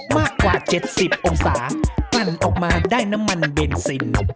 มากกว่า๗๐องศากลั่นออกมาได้น้ำมันเบนซิน